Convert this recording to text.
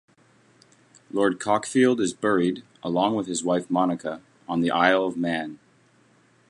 Lord Cockfield is buried, along with his wife Monica, on the Isle of Man.